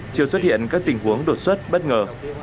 chưa xuất hiện các tình huống đột xuất bất ngờ